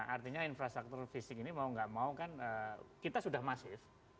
artinya infrastruktur fisik ini mau nggak mau kan kita sudah masif